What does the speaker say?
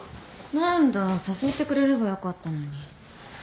何だ誘ってくれればよかったのに。